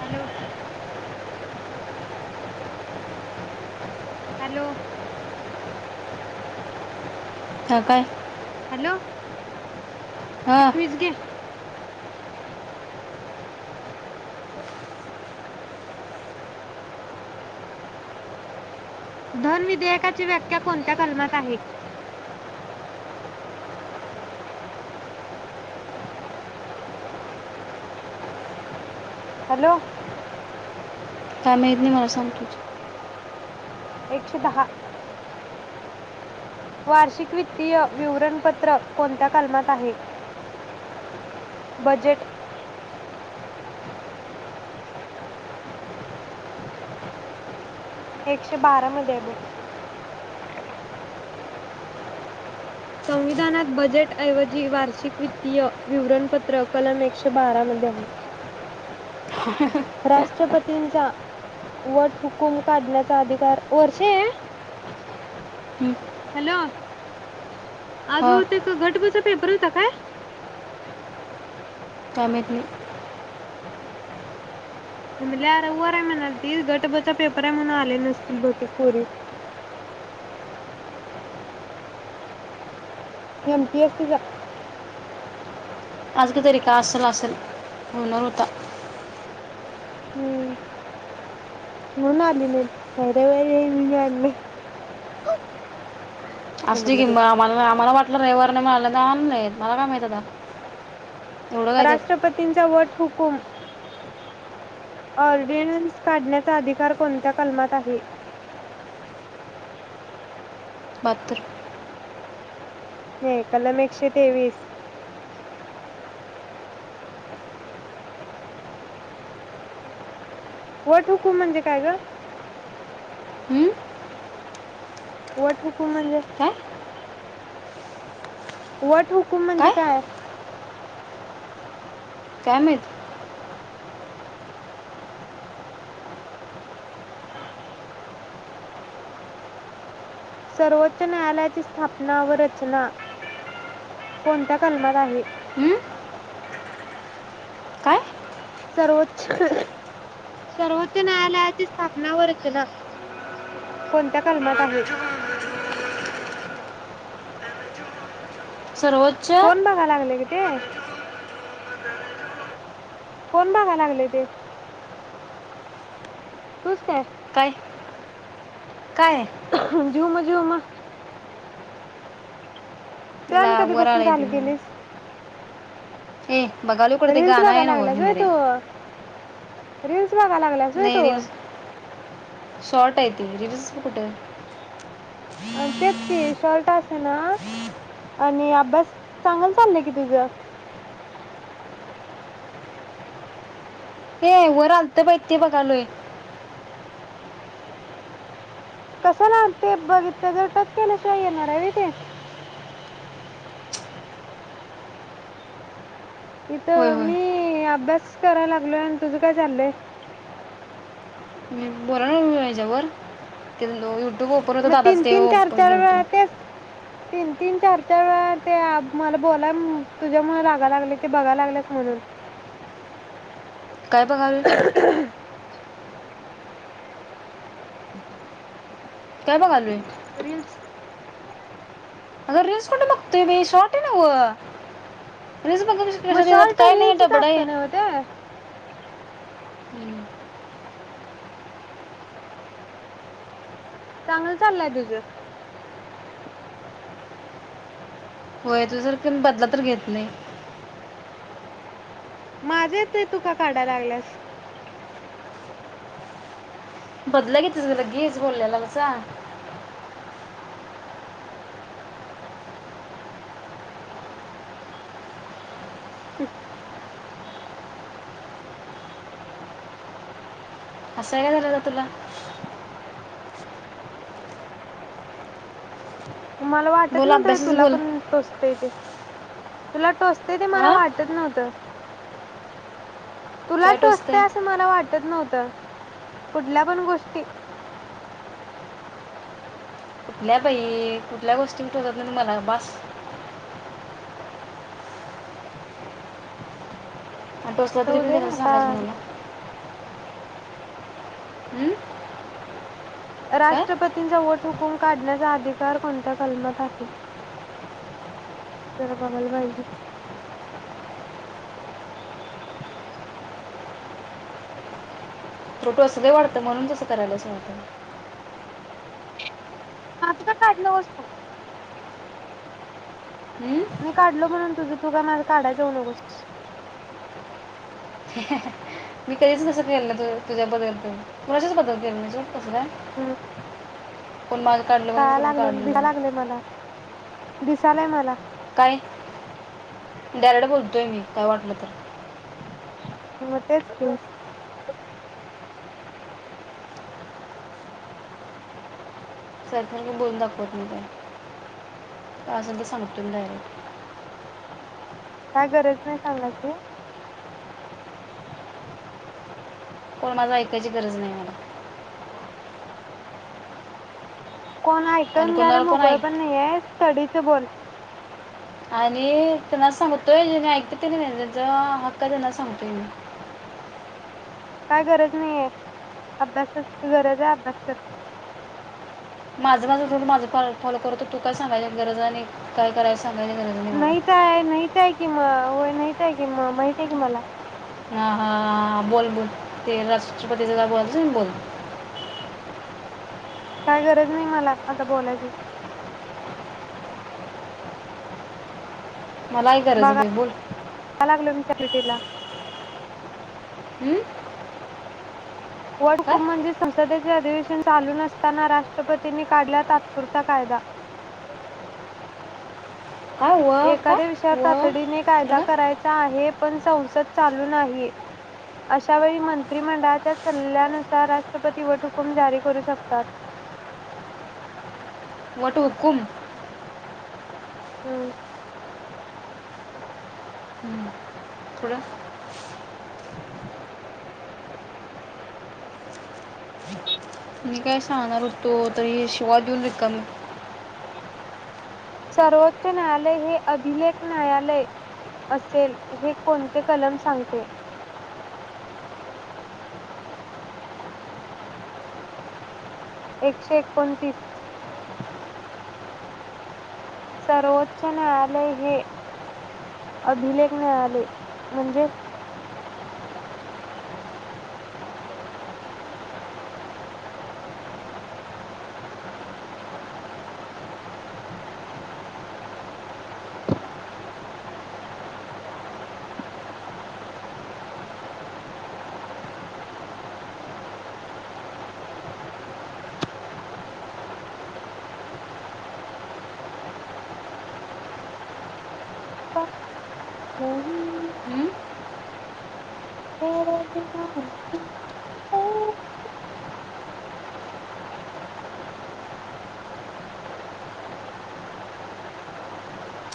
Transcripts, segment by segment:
Hello. Hello. हा काय? Hello. हा एकवीस गे ब [inaudible] धनविधेयकाची व्याख्या कोणत्या कलमात आहे. हॅलो. काय माहीत नाही मला सांग तूच. एकशे दहा. वार्षिक वित्तीय विवरणपत्र कोणत्या कलमात आहे बजेट एकशे बारा मध्येय बघ. संविधानात बजेटऐवजी वार्षिक वित्तीय विवरणपत्र कलम एकशे बारामध्ये आहे. ह [unintelligible] तीनचा वट हुकूम काढण्याचा अधिकार वर्षे ये हॅलो. आज हा हुतेक घट बच पेपर होता काय? काय माहीती. हेमल्या रवंवार हाय म्हणालतील गट ब चापेपर हाय म्हणून आले नसतील बहुतेक पोरी एम पी एस सी चा. [unintelligible] आजका तरी का असल असेल होणार होता. हम्म मनून आली नईत [unintelligible] आसदी मग आम्हाला आम्हाला वाट. रविवार नई माला नई आणये मला काय माहत आता. एवढं काय त्यात राष्ट्रपतींचा वट. हुकुम. ऑर्डिनन्स काढण्याचा अधिकार कोणत्या कलमात आहे. पात्र. हे कलम एकशे तेवीस वट हुकूम म्हणजे काय ग? हं? वट हुकुम म्हणजे काय वट हुकुम म्हणजे काय? काय माहित सर्वोच्च न्यायालयाची स्थापना व रचना कोणत्या कलमात आहे? हं? काय सर्वोच्च सर्वोच्च न्यायालयाची स्थापना व रचना कोणत्या कलमात आहे? सर्वोच्च कोण बघाय लागलय ग ते कोण बगा लागलय ते तुज काय? काय? झुम, झुम ते आणि तिला वर कधीपासन आलंय चालू केलीस ती ए बघालो कुठे ते रिल्स गाणं आहे ना व बगालागल्यास व्हय हिंदरे तु रिल्स बगायला लागलासय व्हय नाही तू रील्स शॉर्ट आहे ते रील्स कुठं अ तेच कि शोर्ट असेना, आणि अभ्यास चांगल चाललाय की तुझ ये वर आलत बघ बघ ते बघ आलोय कसं लाम ते बघ ते जर टच केल्याशिवाय येणार हाय व्हय ते होय इथं होय मी, अभ्यास कराय लागलो. आणि तुझं काय चाललंय ह्याच्यावर [unintelligible] मग [unintelligible] तीन दादाच तीन चार तेवपर चार गेल वेळा तो तेच तीन तीन, चार चार वेळा ते मला बोला. तुझ्यामुळे रागा लागले ते बघाय लागलेस म्हणून काय बघालोय [unintelligible] काय बगालोय? रील्स अगं रिल्स कुठ बघतोय मी शॉर्ट आहे नव मग शॉर्ट रील्सच असतं नव्ह ते [unintelligible] चांगल चाललंय तुझं होय तुझ्या सारखं, बदला तर घेत नाही माझे ते तु, का काढा लागल्यास बदला घेतलीस, लगेच बोललेल्याचा [unintelligible] हसायला काय झाले तुला मला वाटत बोल नवत, अभ्यासच तुला बोल पण टोचते ते तुला टोच ते ते, मला हा वाटत नव्हतं. तुला काय टोचतंय टोचतय, असं मला वाटत नव्हतं. कुठल्या पण गोष्टी कुठल्या बाई, कुठल्या गोष्टी टोचत नाहीत मला बास. आणि टोचल्या तरी, जाऊ दे कोणाला आता सांगायच कोणाला. हम्म. राष्ट्रपतींचा वोट हुकुम काढण्याचा अधिकार, कोणत्या कलमात आहे, जरा बघायला पाहिजे. तु टोचलय वाढतं म्हणून तसं कराल्यास वाडत. आज का काढल वसतो. मी काढलो म्हणून तुझ तू काय माझ काढाय जाऊ नकोस. मी काहीच तस केलो नाही तुझ्याबद्दल [unintelligible] कुणाच्याच बदल केलो नाही सोड. [unintelligible] कोण माझ् काढल म्हणून मी कोणाच कडलो नाही. दिसालाय मला. काय दरड बोलत बोलतोय मी काय वाटलं तर. हा तेच की. सारखं मी बोलून दाखवत नाही त्याला. असेल ते सांगतुय मी डायरेक्ट. काय गरज नाही सांगायची. कोणाच ऐकायची गरज नाही मला. कोण आणि ऐकून घ्यायला कोणाला मोकळ पण ऐक नाही स्टडीचं बोल. आणि त्यांना सांगतोय जेनी ऐकत्यात तेनी नय, ज्याच हक्क हाय तेना सांगतेय मी. काय गरज नाहीये? अभ्यासाची गरज हाय अभ्यास कर. माझ माझ माझ पीको फॉल करतू. तू काय सांगायला गरज नाही. काय करायला सांग नाहीच आहे, नाहीच हाय की म की होय नाहीच आहे कि म माहितेय की मला. हा हा बोल बोल, ते राष्ट्रपतीच काय बोलायच क नई ते बोल. काय गरज नाही मला, आता बोलायची. मला आहे गरज बाई बघायला बोल. [unintelligible] [unintelligible] वड काय हुकुम म्हणजे संसदेचे अधिवेशन चालू नसताना राष्ट्रपतींनी काढला तात्पुरता कायदा. काय व काय एखाद्या विषयावर व तातडीने थोडं कायदा काय करायचा आहे. पण संवसद चालू नाही. अशा वेळी मंत्रिमंडळाच्या सल्ल्यानुसार राष्ट्रपती वट हुकूम जारी करू शकतात. वटहुकूम. ह्म्म. हम्म, थोडं मी काय सांगणार होतो, तर शिव्या देऊन रिकामी. सर्वोच्च न्यायालय हे अभिलेख न्यायालय असेल, हे कोणते कलम सांगते? एकशे एकोणतीस. सर्वोच्च न्यायालय हे अभिलेख न्यायालय. म्हणजे? हम्म? [unintelligible] [unintelligible]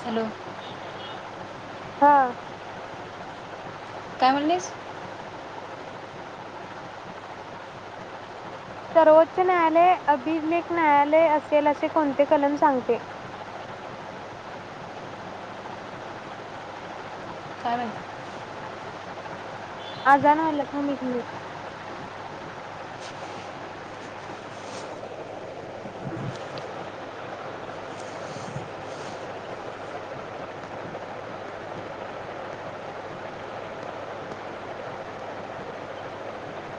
हॅलो हा. काय म्हणलीस? सर्वोच्च न्यायालय अभिलेख न्यायालय असेल. असे कोणते कलम सांगते? काय माहित. आजान आल थांब एक मिनिट. [unintelligible]